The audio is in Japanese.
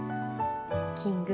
キング